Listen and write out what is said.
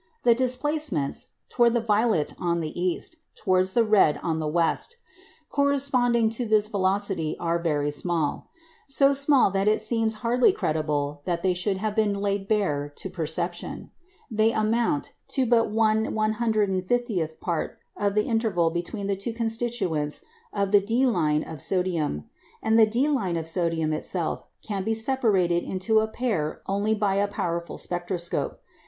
The displacements towards the violet on the east, towards the red on the west corresponding to this velocity are very small; so small that it seems hardly credible that they should have been laid bare to perception. They amount to but 1/150th part of the interval between the two constituents of the D line of sodium; and the D line of sodium itself can be separated into a pair only by a powerful spectroscope.